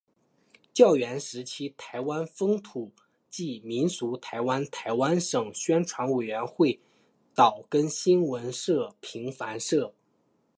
教员时期台湾风土记民俗台湾台湾省宣传委员会岛根新闻社平凡社